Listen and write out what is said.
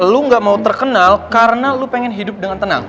lu gak mau terkenal karena lu pengen hidup dengan tenang